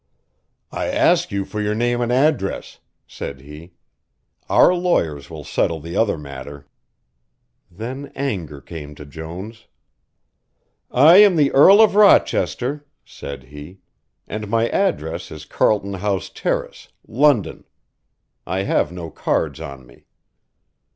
"I ask you for your name and address," said he. "Our lawyers will settle the other matter." Then anger came to Jones. "I am the Earl of Rochester," said he, "and my address is Carlton House Terrace, London. I have no cards on me."